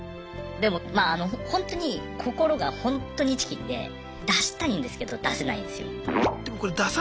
でもまああのほんとに心がほんとにチキンで出したいんですけど出せないんですよ。